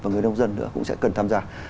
và người nông dân nữa cũng sẽ cần tham gia